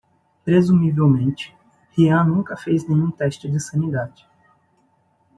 Presumivelmente, Ryan nunca fez nenhum teste de sanidade.